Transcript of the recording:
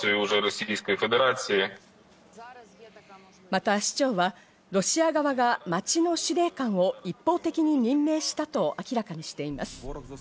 また市長はロシア側が町の司令官を一方的に任命したと明らかにしています。